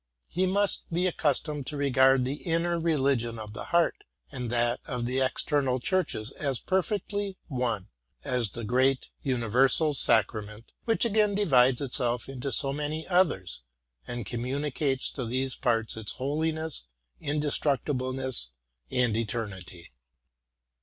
He must be accustomed to.regard the inner religion of the heart and that of the external church as perfectly one, as the great universal sacrament, which again divides itself into so many others, and communicates to these parts its holiness, indestructibleness, and eternity.